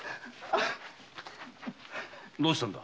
どうしたんだ？